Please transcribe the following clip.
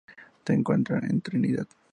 Se encuentra en Trinidad.